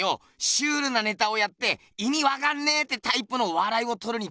シュールなネタをやって「いみわかんねえ」ってタイプのわらいをとるにかぎっぺな。